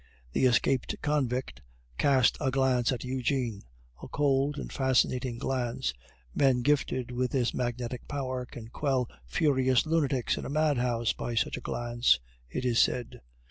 The escaped convict cast a glance at Eugene, a cold and fascinating glance; men gifted with this magnetic power can quell furious lunatics in a madhouse by such a glance, it is said.